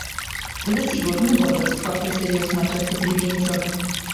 Desigur, nu vorbesc foarte serios în această privință.